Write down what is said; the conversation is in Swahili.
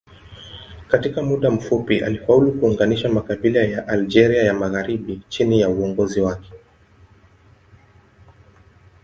Katika muda mfupi alifaulu kuunganisha makabila ya Algeria ya magharibi chini ya uongozi wake.